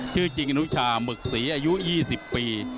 ชื่อจริงอนุชาหมึกศรีอายุ๒๐ปี